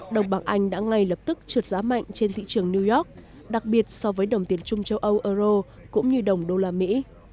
đồng bằng anh đã ngay lập tức trượt giá mạnh trên thị trường new york đặc biệt so với đồng tiền chung châu âu euro cũng như đồng đô la mỹ